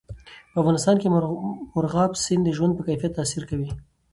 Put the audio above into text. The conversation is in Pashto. په افغانستان کې مورغاب سیند د ژوند په کیفیت تاثیر کوي.